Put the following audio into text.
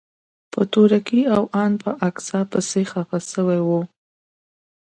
په تورکي او ان په اکا پسې خپه سوى وم.